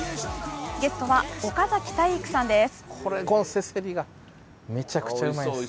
ゲストは岡崎体育さんです。